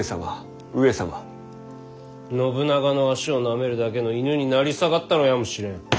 信長の足をなめるだけの犬に成り下がったのやもしれん。